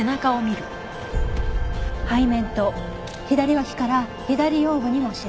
背面と左脇から左腰部にも死斑。